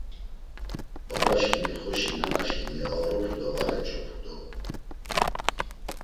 Babaşǩimi xoşi, nanaşǩimi aoropu do var eç̌opu do!